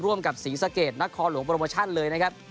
ร่วมกับสีสะเกดนัดคอหลวงโปรโมชั่นเลยนะครับ